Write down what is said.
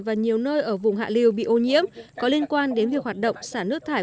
và nhiều nơi ở vùng hạ liêu bị ô nhiễm có liên quan đến việc hoạt động xả nước thải